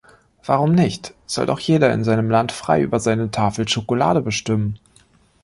Warum nicht, soll doch jeder in seinem Land frei über seine Tafel Schokolade bestimmen.